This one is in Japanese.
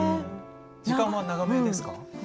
時間は長めですか？